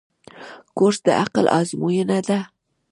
کورس د عقل آزموینه ده.